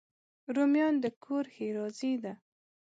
رومیان د کور ښېرازي ده